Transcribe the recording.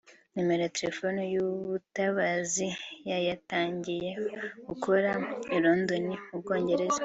numero ya telefoni y’ubutabazi ya yatangiye gukora I Londres mu Bwongereza